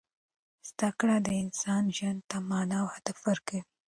زده کړه د انسان ژوند ته مانا او هدف ورکوي.